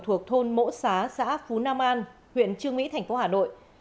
thuộc thôn mỗ xá xã phú nam an huyện trương mỹ thành phố hà nội